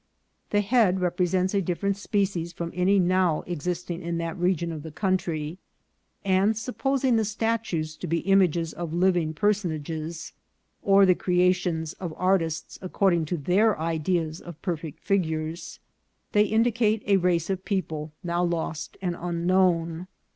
The head represents a different species from any now existing in that region of country ; and supposing the statues to be images of living personages, or the creations of artists according to their ideas of perfect figures, they indicate a race of people now lost and unknown.